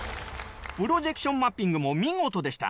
プロジェクションマッピングも見事でした。